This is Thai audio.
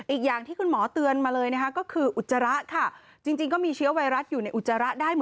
อีกอย่างที่คุณหมอเตือนมาเลยคืออุจจาระ